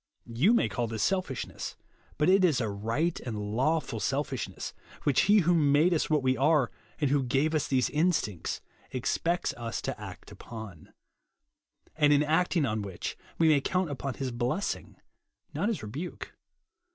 You may call this selfishness, but it is a right and lawful selfishness, which Ho who made us what we are, and who gave us these instincts, expects us to act upon ; and in acting on which, we may count upon his blessing, not his rebuke.